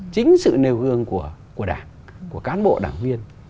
chính sự nêu gương của đảng của cán bộ đảng viên